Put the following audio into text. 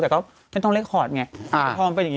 แต่ก็ไม่ต้องเล็กคอร์ดไงพอมันเป็นอย่างนี้